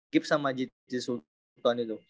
gibbs sama juti sultan itu